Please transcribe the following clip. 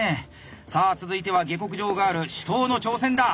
さあ続いては下克上ガール紫桃の挑戦だ！